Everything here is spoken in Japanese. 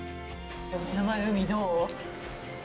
目の前の海、どう？